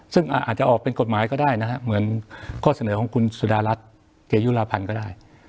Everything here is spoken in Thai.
ซึ่งอาจจะออกเป็นกฎหมายก็ได้นะฮะเหมือนข้อเสนอของคุณสุดารัฐเกยุลาพันธ์ก็ได้